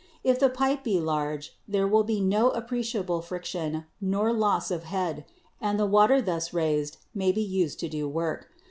If the pipe be large, there will be no appreciable friction nor loss of head, and the water thus raised may be used to do work.